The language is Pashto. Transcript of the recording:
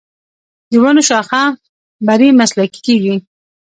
د ونو شاخه بري مسلکي کیږي.